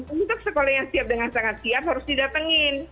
untuk sekolah yang siap dengan sangat siap harus didatengin